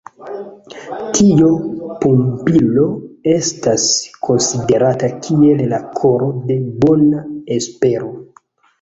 Tiu pumpilo estas konsiderata kiel la koro de Bona Espero.